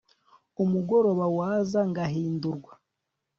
umugoroba waza ngahindurwa